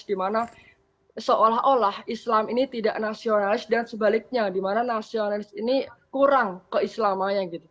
dimana seolah olah islam ini tidak nasionalis dan sebaliknya di mana nasionalis ini kurang ke islamanya gitu